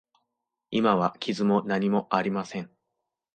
今は傷も何もありません。